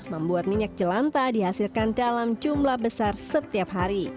membuat minyak jelanta dihasilkan dalam jumlah besar setiap hari